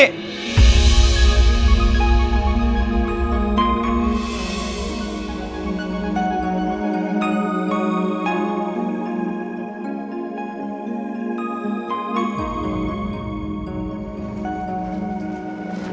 aku mau pergi ke jakarta